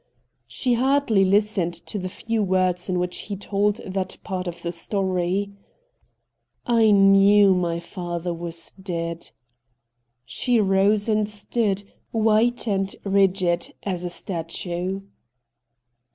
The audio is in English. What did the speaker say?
She hardly listened to the few words in which he told that part of the story. ' I knew my father was dead.' She rose and stood, white and rigid as a statue.